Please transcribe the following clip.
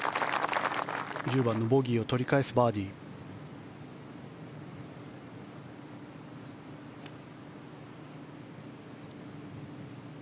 １０番のボギーを取り返すバーディーでした。